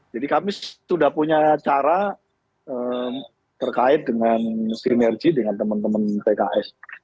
jadi kami sudah punya cara terkait dengan sinergi dengan teman teman pks